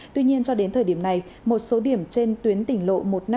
tuy nhiên cho đến thời điểm này một số điểm trên tuyến tỉnh lộ một trăm năm mươi